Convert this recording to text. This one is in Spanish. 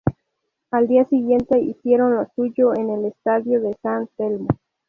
Al día siguiente hicieron lo suyo en el estadio de San Telmo.